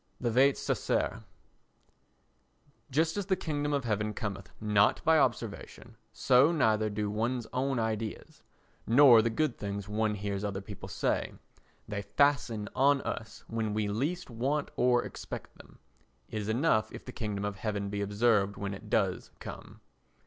The Vates Sacer Just as the kingdom of heaven cometh not by observation, so neither do one's own ideas, nor the good things one hears other people say; they fasten on us when we least want or expect them. It is enough if the kingdom of heaven be observed when it does come.